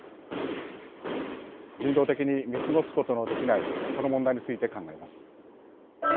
人道的に見過ごすことのできないこの問題について考えます。